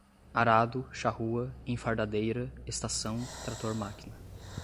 arado, charrua, enfardadeira, estação trator-máquina